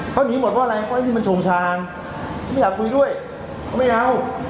เขาหนีหมดเพราะอะไรเพราะไอ้นี่มันชงชาญไม่อยากคุยด้วยไม่เอา